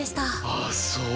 あっそう。